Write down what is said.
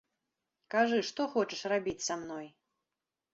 Кажы, што хочаш рабіць са мной?!